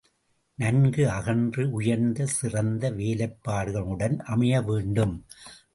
நன்கு அகன்று உயர்ந்து சிறந்த வேலைப்பாடுகளுடன் அமைய வேண்டும்.